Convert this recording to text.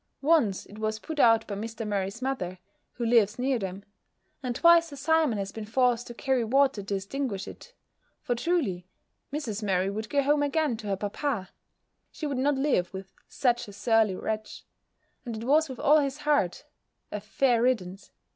Once it was put out by Mr. Murray's mother, who lives near them; and twice Sir Simon has been forced to carry water to extinguish it; for, truly, Mrs. Murray would go home again to her papa; she would not live with such a surly wretch: and it was with all his heart; a fair riddance!